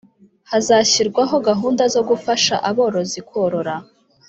Hazashyirwaho gahunda zo gufasha aborozi korora